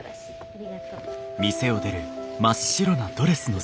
ありがとう。